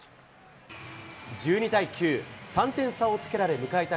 １２対９、３点差をつけられ、迎えた